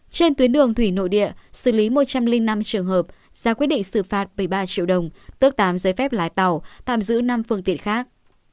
trên tuyến đường thủy nội địa xử lý một trăm linh năm trường hợp ra quyết định xử phạt một mươi ba triệu đồng tước tám giấy phép lái tàu tạm giữ năm phương tiện khác